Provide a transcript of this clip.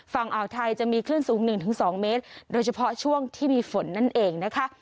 ฝั่งอ่าวไทยจะมีคลื่นสูงหนึ่งถึงสองเมตรโดยเฉพาะช่วงที่มีฝนนั่นเองนะคะ